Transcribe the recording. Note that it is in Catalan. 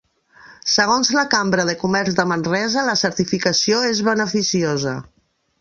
Segons la Cambra de Comerç de Manresa, la certificació és beneficiosa.